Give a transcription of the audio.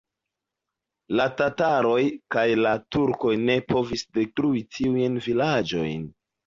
La tataroj kaj la turkoj ne povis detrui tiujn vilaĝojn.